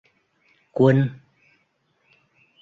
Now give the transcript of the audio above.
Quân